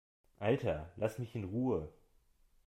Alter, lass mich in Ruhe!